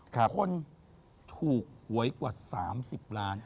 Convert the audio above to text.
คนถูกหวยกว่า๓๐ล้าน